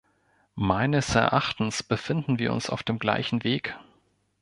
Meines Erachtens befinden wir uns auf dem gleichen Weg.